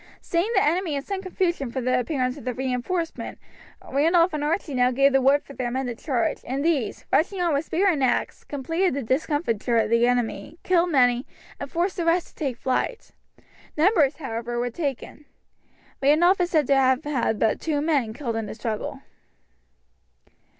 Seeing the enemy in some confusion from the appearance of the reinforcement, Randolph and Archie now gave the word for their men to charge, and these, rushing on with spear and axe, completed the discomfiture of the enemy, killed many, and forced the rest to take flight. Numbers, however, were taken. Randolph is said to have had but two men killed in the struggle.